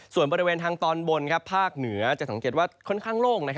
ส่วนบริเวณทางตอนบนภาคเหนือจะสังเกตว่าค่อนข้างโล่ง